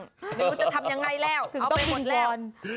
หรือว่าจะทำยังไงแล้วเอาไปหมดแล้ว